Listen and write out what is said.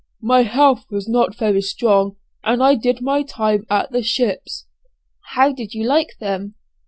"My health was not very strong and I did my time at the ships." "How did you like them?"